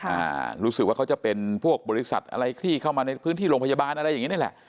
อ่ารู้สึกว่าเขาจะเป็นพวกบริษัทอะไรคลี่เข้ามาในพื้นที่โรงพยาบาลอะไรอย่างงี้นี่แหละ